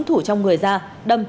thủ trong người ra đâm